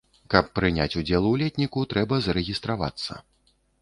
Каб прыняць удзел у летніку, трэба зарэгістравацца.